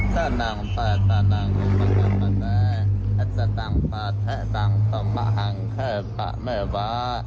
เซนนังเปตานังอุปะฮังปะเตงเอศตังปาเทตังตัวมะฮังเขบบะเมย์วา